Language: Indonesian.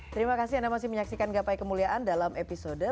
terima kasih anda masih menyaksikan gapai kemuliaan dalam episode